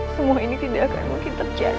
semua ini tidak akan mungkin terjadi